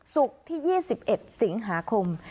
ศุกร์ที่๒๑สิงหาคม